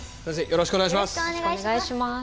よろしくお願いします。